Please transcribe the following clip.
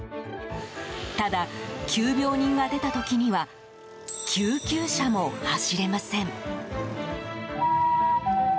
ただ、急病人が出た時には救急車も走れません。